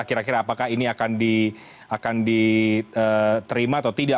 kira kira apakah ini akan diterima atau tidak